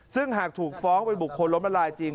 ซึ่งหากถูกฟ้องเป็นบุคคลล้มละลายจริง